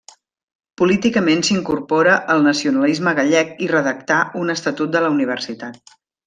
Políticament s'incorpora al nacionalisme gallec i redactà un estatut de la universitat.